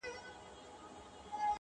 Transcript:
له ډيره وخته مو لېږلي دي خوبو ته زړونه”